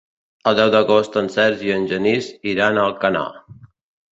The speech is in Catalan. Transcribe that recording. El deu d'agost en Sergi i en Genís iran a Alcanar.